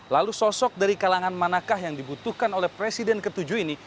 lalu sosok dari kalangan manakah yang dibutuhkan oleh presiden ke tujuh ini